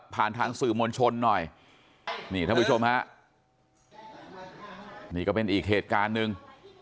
ทางสื่อมวลชนหน่อยนี่ท่านผู้ชมฮะนี่ก็เป็นอีกเหตุการณ์หนึ่ง